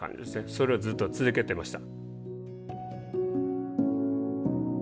それをずっと続けてました。